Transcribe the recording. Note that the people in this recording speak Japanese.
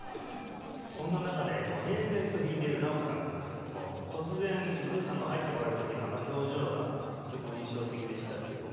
そんな中で平然と弾いている直樹さんなんですけども突然ブルーさんが入ってこられた時のあの表情がとっても印象的でしたけども。